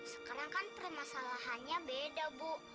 sekarang kan permasalahannya beda bu